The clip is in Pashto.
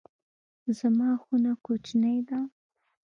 زما خونه کوچنۍ ده